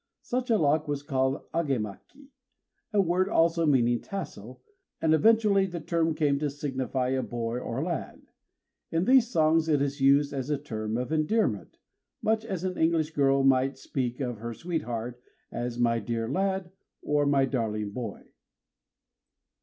Such a lock was called agémaki, a word also meaning "tassel"; and eventually the term came to signify a boy or lad. In these songs it is used as a term of endearment, much as an English girl might speak of her sweetheart as "my dear lad," or "my darling boy."